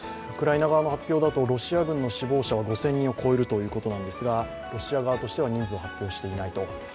ウクライナ側の発表だとロシア軍の死亡者は５０００人を超えるということなんですがロシア側としては人数を発表していないと。